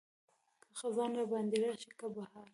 که خزان راباندې راشي که بهار.